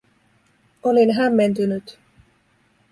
Olin hämmentynyt.